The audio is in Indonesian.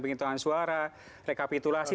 pengetahuan suara rekapitulasi